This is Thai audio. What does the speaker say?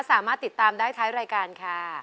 สามารถติดตามได้ท้ายรายการค่ะ